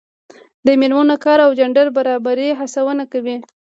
د میرمنو کار د جنډر برابرۍ هڅونه کوي.